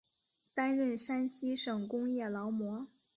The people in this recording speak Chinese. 担任山西省工业劳模。